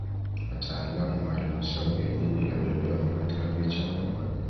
Wataalam wa Halmashauri ya Jiji la Dodoma katika picha ya pamoja